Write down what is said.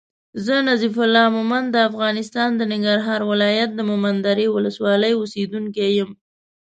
زه نظیف الله مومند د افغانستان د ننګرهار ولایت د مومندرې ولسوالی اوسېدونکی یم